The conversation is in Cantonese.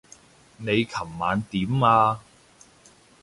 你琴晚點啊？